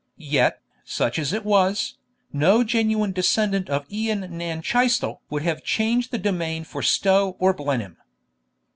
Yet, such as it was, no genuine descendant of Ian nan Chaistel would have changed the domain for Stow or Blenheim.